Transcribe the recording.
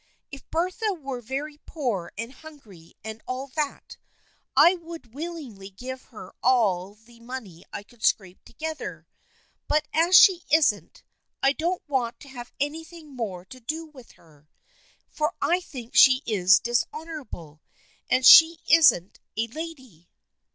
If Bertha were very poor and hungry and all that, I would willingly give her all the money I could scrape together, but as she isn't, I don't want to have anything more to do with her, for I think she is dishonorable, and she isn't a lady."